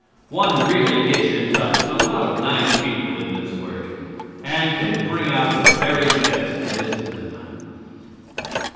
One really gets in touch with a lot of nice people in this work and can bring out the very best that is in them.